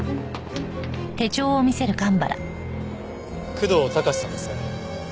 工藤貴志さんですね？